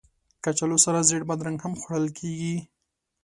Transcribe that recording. کچالو سره زېړه بادرنګ هم خوړل کېږي